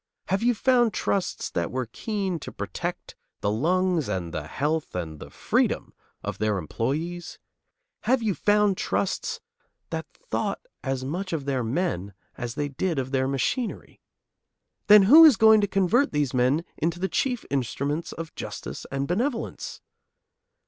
Have you found trusts that were keen to protect the lungs and the health and the freedom of their employees? Have you found trusts that thought as much of their men as they did of their machinery? Then who is going to convert these men into the chief instruments of justice and benevolence?